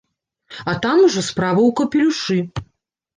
А там ужо справа ў капелюшы.